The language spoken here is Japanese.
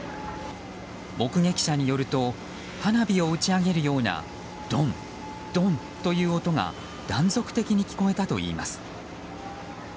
目撃者によると花火を打ち上げるようなドン、ドンという音が断続的に聞こえたといいます。